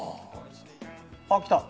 あっ来た。